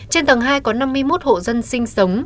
trên tầng hai có năm mươi một hộ dân sinh sống